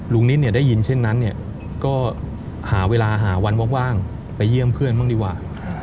วันนี้เนี่ยได้ยินเช่นนั้นเนี่ยก็หาเวลาหาวันว่างไปเยี่ยมเพื่อนบ้างดีกว่า